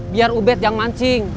biar ubed yang mancing